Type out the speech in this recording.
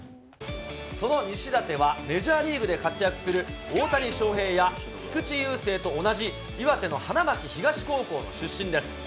その西舘は、メジャーリーグで活躍する大谷翔平や菊池雄星と同じ岩手の花巻東高校の出身です。